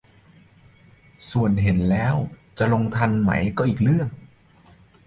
ส่วนเห็นแล้วจะลงทันไหมก็อีกเรื่อง